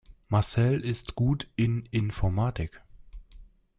Marcel ist gut in Informatik.